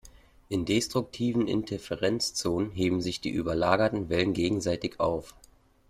In destruktiven Interferenzzonen heben sich die überlagerten Wellen gegenseitig auf.